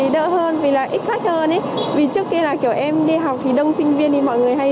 lựa hơn vì là ít khách hơn ý vì trước kia là kiểu em đi học thì đông sinh viên đi mọi người hay